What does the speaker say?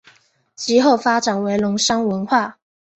其后发展为龙山文化。